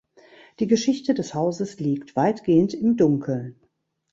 Die Geschichte des Hauses liegt weitgehend im Dunkeln.